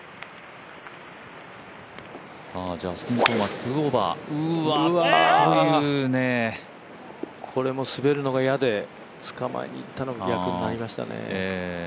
ジャスティン・トーマス、２オーバーこれも滑るのが嫌でつかまえに行ったのが良くなかったですね。